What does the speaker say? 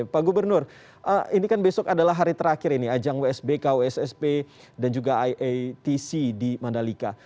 pak gubernur ini kan besok adalah hari terakhir ini ajang wsbk wssp dan juga iatc di mandalika